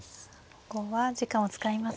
ここは時間を使いますね。